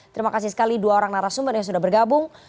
terima kasih sekali dua orang narasumber yang sudah bergabung